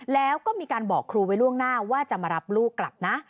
แล้วก็มีการบอกครูไว้ล่วงหน้าว่าจะมารับลูกกลับนะ